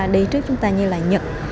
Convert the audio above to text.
đi trước chúng ta như là nhật